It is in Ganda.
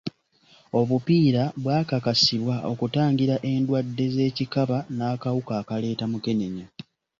Obupiira bwakakasibwa okutangira endwadde z'ekikaba n'akawuka akaleeta mukenenya.